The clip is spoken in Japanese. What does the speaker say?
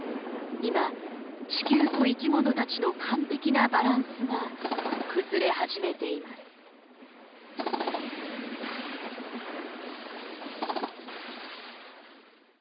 今地球と生き物たちの完璧なバランスが崩れ始めています。